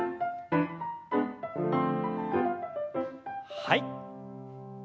はい。